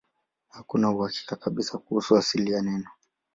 Hakuna uhakika kabisa kuhusu asili ya neno.